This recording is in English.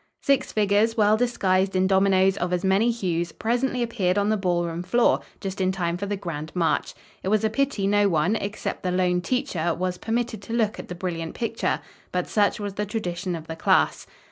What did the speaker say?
Six figures, well disguised in dominoes of as many hues, presently appeared on the ball room floor, just in time for the grand march. It was a pity no one, except the lone teacher, was permitted to look at the brilliant picture. But such was the tradition of the class.